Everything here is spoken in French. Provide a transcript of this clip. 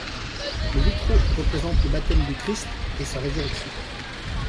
Les vitraux représentent le baptême du Christ et sa résurrection.